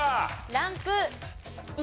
ランク１。